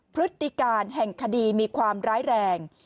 พฤติการแห่งคดีมีความร้ายแรง